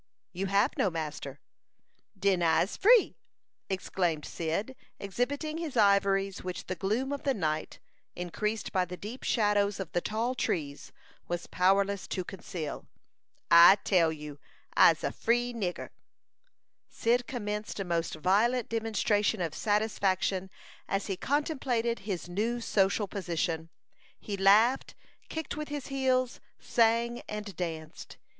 "You have no master." "Den I'se free," exclaimed Cyd, exhibiting his ivories, which the gloom of the night, increased by the deep shadows of the tall trees, was powerless to conceal. "I tell you, I'se a free nigger." Cyd commenced a most violent demonstration of satisfaction as he contemplated his new social position. He laughed, kicked with his heels, sang and danced.